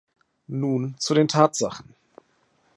Nun zu den Tatsachen.